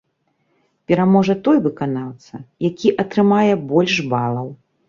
Пераможа той выканаўца, які атрымае больш балаў.